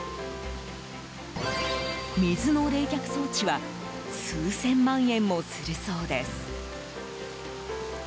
水の冷却装置は数千万円もするそうです。